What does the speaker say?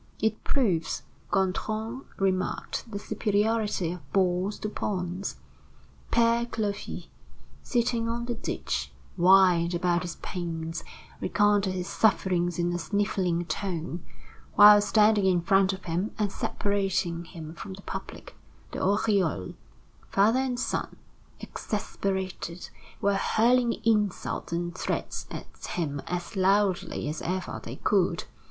"It proves," Gontran remarked, "the superiority of balls to points." Père Clovis, sitting on the ditch, whined about his pains, recounted his sufferings in a sniveling tone, while standing in front of him, and separating him from the public, the Oriols, father and son, exasperated, were hurling insults and threats at him as loudly as ever they could.